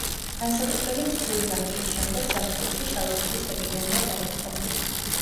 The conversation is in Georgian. განსაკუთრებით ცივი ზამთრის შემდეგ, ზაფხულში შავი ჭირის ეპიდემია დაიწყო.